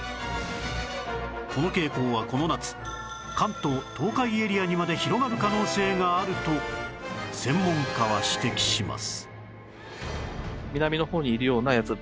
この傾向はこの夏関東・東海エリアにまで広がる可能性があると専門家は指摘します